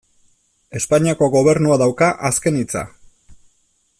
Espainiako Gobernuak dauka azken hitza.